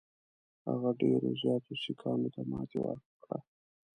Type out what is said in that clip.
هغه ډېرو زیاتو سیکهانو ته ماته ورکړه.